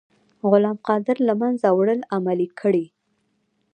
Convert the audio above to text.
غلام قادر له منځه وړل عملي کړئ.